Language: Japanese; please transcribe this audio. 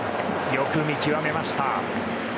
よく見極めました。